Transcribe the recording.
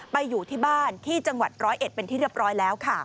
อยู่ที่บ้านที่จังหวัดร้อยเอ็ดเป็นที่เรียบร้อยแล้วค่ะ